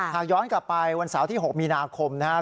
หากย้อนกลับไปวันเสาร์ที่๖มีนาคมนะครับ